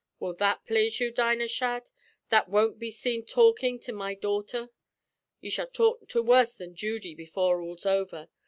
Will that pl'ase you, Dinah Shadd, that won't be seen talkin' to my daughter? You shall talk to worse than Judy before all's over.